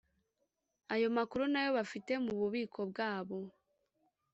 ayo makuru n ayo bafite mu bubiko bwabo